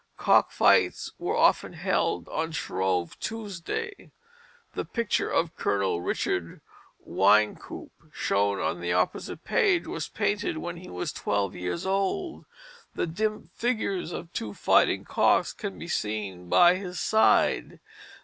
Cock fights were often held on Shrove Tuesday. The picture of Colonel Richard Wynkoop, shown on the opposite page, was painted when he was twelve years old; the dim figures of two fighting cocks can be seen by his side.